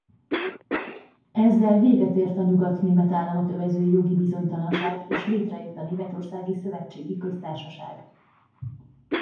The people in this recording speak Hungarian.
Ezzel végetért a nyugatnémet államot övező jogi bizonytalanság és létrejött a Németországi Szövetségi Köztársaság.